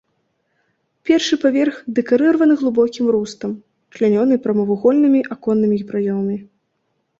Першы паверх дэкарыраваны глыбокім рустам, члянёны прамавугольнымі аконнымі праёмамі.